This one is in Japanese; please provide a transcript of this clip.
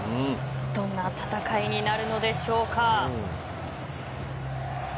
どんな戦いになるのでしょうか。